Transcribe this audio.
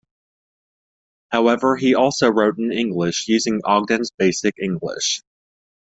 However he also wrote in English, using Ogden's Basic English.